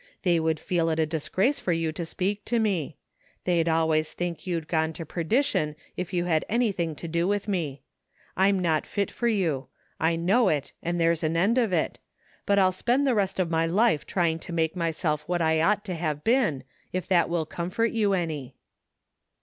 They would feel it a disgrace for you to speak to me. They'd always think you'd gone to perdition if you had anything to do with me. I'm not fit for you. I know it and there's an end of it, but I'll spend the rest of my life trying to make myself what I ought to have been, if that will comfort you any."